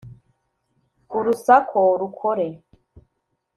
urusako rukore